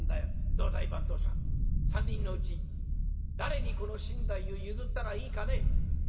どうだい番頭さん３人のうち誰にこの身代を譲ったらいいかね？」。